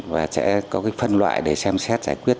và sẽ có cái phân loại để xem xét giải quyết